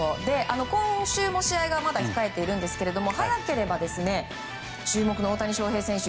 今週も試合がまだ控えていますが早ければ注目の大谷翔平選手